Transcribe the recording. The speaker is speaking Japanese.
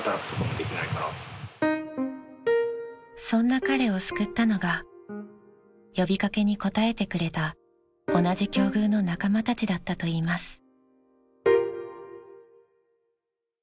［そんな彼を救ったのが呼び掛けに応えてくれた同じ境遇の仲間たちだったといいます］